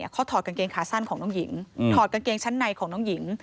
เขาถอดกางเกงขาสั้นของน้องหญิง